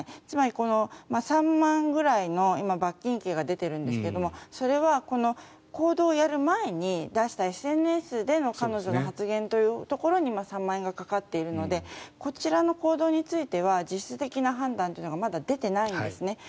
つまり、３万円ぐらいの罰金刑が出ているんですがそれは行動をやる前に出したＳＮＳでの彼女の発言というところに３万円がかかっているのでこちらの行動については実質的な判断というのがまだ出ていないんですね。